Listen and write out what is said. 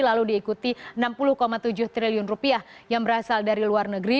lalu diikuti enam puluh tujuh triliun rupiah yang berasal dari luar negeri